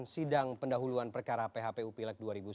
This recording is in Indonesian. sidang pendahuluan perkara phpup lek dua ribu sembilan belas